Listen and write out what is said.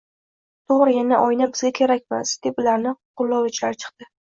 “To‘g‘ri, yangi oyna bizga kerakmas!” – deb ularni qo‘llovchilar chiqdi.